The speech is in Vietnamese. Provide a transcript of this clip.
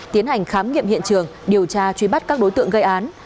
tiến hành khám nghiệm hiện trường điều tra truy bắt các đối tượng gây án